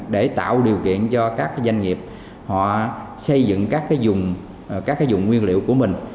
để tạo điều kiện cho các doanh nghiệp xây dựng các vùng nguyên liệu của mình